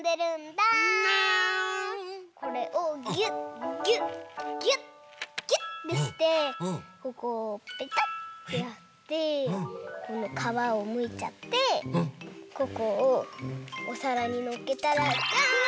これをギュッギュッギュッギュッてしてここをペタッてやってこのかわをむいちゃってここをおさらにのっけたらじゃん！